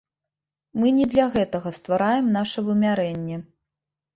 Мы не для гэтага ствараем наша вымярэнне.